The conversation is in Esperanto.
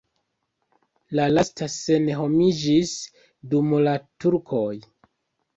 La lasta senhomiĝis dum la turkoj.